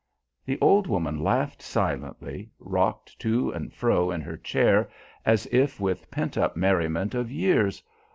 The old woman laughed, silently, rocking to and fro in her chair as if with pent up merriment of years.